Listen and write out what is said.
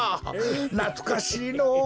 なつかしいのぉ！